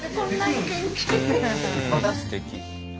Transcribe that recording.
すてき。